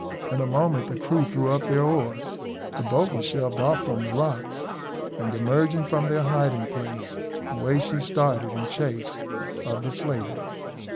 In a moment the crew threw up their oars, the boat was shoved off from the rocks, and emerging from their hiding place, away she started in chase of the slaver.